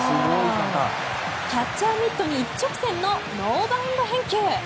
キャッチャーミットに一直線のノーバウンド返球。